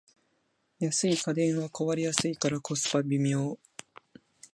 安い家電は壊れやすいからコスパ微妙